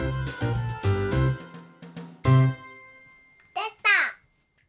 できた！